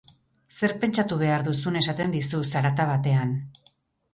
Zer pentsatu behar duzun esaten dizu, zarata batean.